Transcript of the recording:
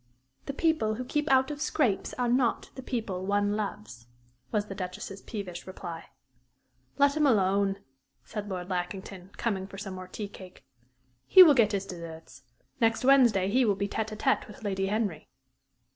"The people who keep out of scrapes are not the people one loves," was the Duchess's peevish reply. "Let him alone," said Lord Lackington, coming for some more tea cake. "He will get his deserts. Next Wednesday he will be tête à tête with Lady Henry."